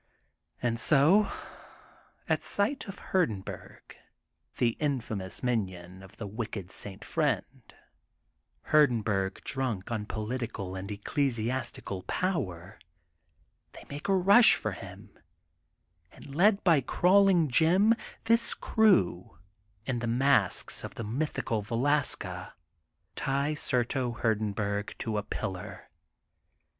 And so, at sight of Hurdenburg, the in famous minion of the wicked St. Friend, Hur denburg drunk on political and ecclesiastical power, they make a rush for him, and, led by crawling Jim, this crew, in the masks of the Mythical Velaska, tie Surto Hurdenburg to a THE GOLDEN BOOK OF SPRINGFIELD 211 pillar.